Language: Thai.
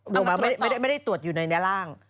ดูออกมาไม่ได้ตรวจอยู่ในแดดล่าง